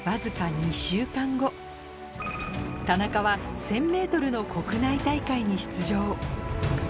田中は１０００ｍの国内大会に出場